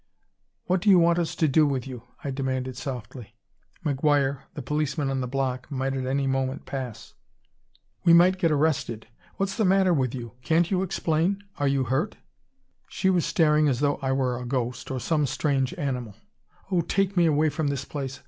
"What do you want us to do with you?" I demanded softly. McGuire, the policeman on the block, might at any moment pass. "We might get arrested! What's the matter with you? Can't you explain? Are you hurt?" She was staring as though I were a ghost, or some strange animal. "Oh, take me away from this place!